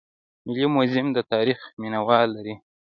ملي موزیم د تاریخ مینه وال لري